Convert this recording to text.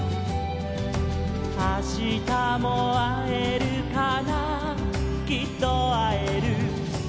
「あしたもあえるかなきっとあえる」